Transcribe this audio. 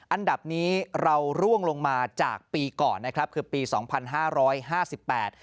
อันดับนี้เราร่วงลงมาจากปีก่อนนะครับคือปีสองพันห้าร้อยห้าสิบแปด